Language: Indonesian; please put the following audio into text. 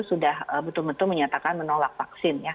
sudah betul betul menyatakan menolak vaksin ya